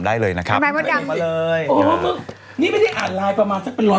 ได้เลยนะครับปล่อยธรรมมาเลยโอ้ยเมื่อไม่ได้อ่านลายประมาณสักเป็นร้อน